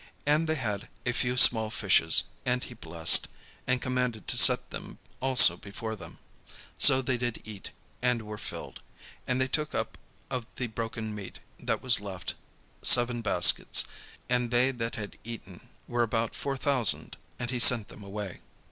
And they had a few small fishes: and he blessed, and commanded to set them also before them. So they did eat, and were filled: and they took up of the broken meat that was left seven baskets. And they that had eaten were about four thousand: and he sent them away.